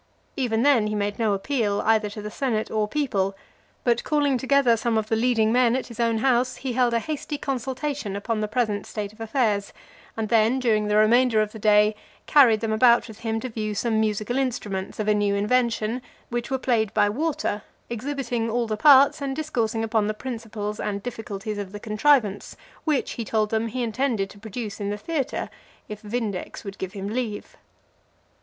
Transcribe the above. Even then he made no appeal either to the senate or people, but calling together some of the leading men at his own house, he held a hasty consultation upon the present state of affairs, and then, during the remainder of the day, carried them about with him to view some musical instruments, of a new invention, which were played by water (372) exhibiting all the parts, and discoursing upon the principles and difficulties of the contrivance; which, he told them, he intended to produce in the theatre, if Vindex would give him leave.